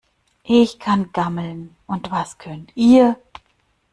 Ich kann gammeln. Und was könnt ihr?